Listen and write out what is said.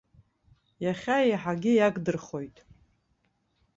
Иахьа еиҳагьы иагдырхоит.